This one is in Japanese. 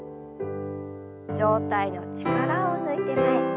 上体の力を抜いて前。